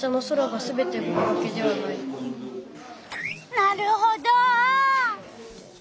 なるほど。